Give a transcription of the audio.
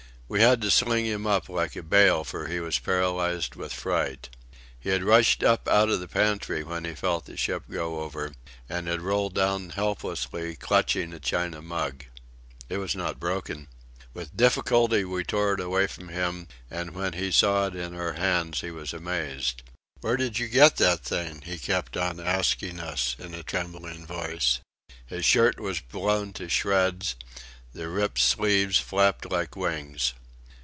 We had to sling him up like a bale, for he was paralysed with fright. He had rushed up out of the pantry when he felt the ship go over, and had rolled down helplessly, clutching a china mug. It was not broken. With difficulty we tore it away from him, and when he saw it in our hands he was amazed. "Where did you get that thing?" he kept on asking us in a trembling voice. His shirt was blown to shreds; the ripped sleeves flapped like wings.